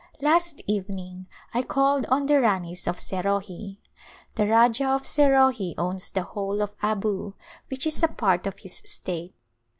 Last evening I called on the Ranis of Serohi. The Rajah of Serohi owns the whole of Abu which is a part of his state.